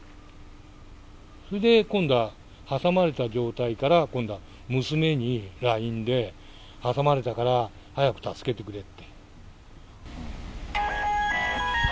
それで今度は、挟まれた状態から今度は娘にＬＩＮＥで、挟まれたから、早く助けてくれって。